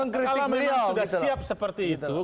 kalau beliau sudah siap seperti itu